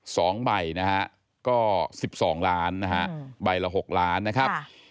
สองใบนะฮะก็สิบสองล้านนะฮะใบละหกล้านนะครับ